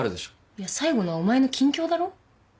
いや最後のはお前の近況だろ？